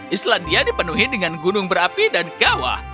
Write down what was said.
islandia dipenuhi dengan gunung berapi dan kawah